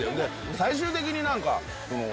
最終的に何か。